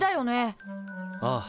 ああ。